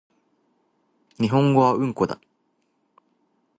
日本語はうんこだ